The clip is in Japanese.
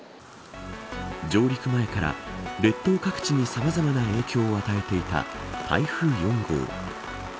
上陸前から列島各地にさまざまな影響を与えていた台風４号。